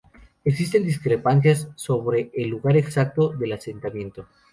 Existen discrepancias sobre el lugar exacto del asentamiento.